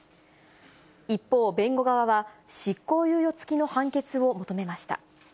一方、弁護側は、執行猶予付きの判決を求めました。